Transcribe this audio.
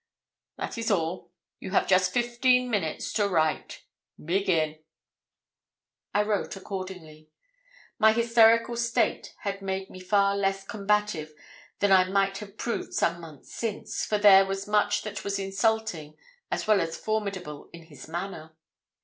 That is all. You have just fifteen minutes to write. Begin.' I wrote accordingly. My hysterical state had made me far less combative than I might have proved some months since, for there was much that was insulting as well as formidable in his manner.